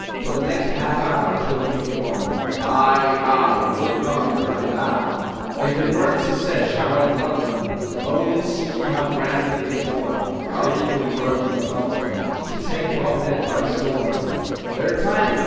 For the next half hour 'twill be warm Aye, aye, look yonder! I vow, If they weren't Secesh, how I'd love them! Only see how grandly they form (Our eagle whirling above them), To take Robinett by storm! They're timing!